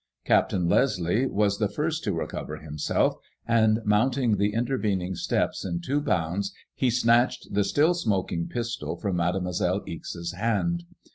Captain Leslie was the first to recover himself, and mounting the intervening steps in two bounds, he snatched the still smoking pistol from Made moiselle Ixe't band.